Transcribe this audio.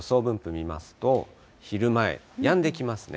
見ますと、昼前、やんできますね。